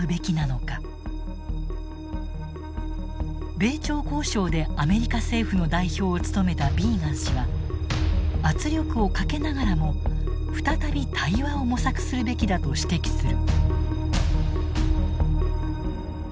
米朝交渉でアメリカ政府の代表を務めたビーガン氏は圧力をかけながらも再び対話を模索するべきだと指摘する。